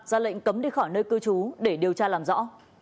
ra lệnh cấm đi khỏi nơi cư trú để điều tra làm rõ